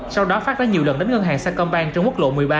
sau đó pháp đã nhiều lần đến ngân hàng sacombank trong quốc lộ một mươi ba